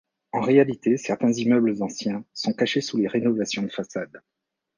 En réalité certains immeubles anciens sont cachés sous les rénovations de façade.